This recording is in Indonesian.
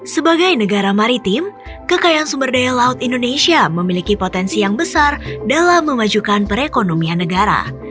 sebagai negara maritim kekayaan sumber daya laut indonesia memiliki potensi yang besar dalam memajukan perekonomian negara